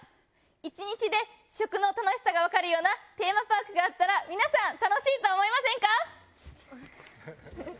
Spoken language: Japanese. １日で食の楽しさがわかるようなテーマパークがあったら皆さん楽しいと思いませんか？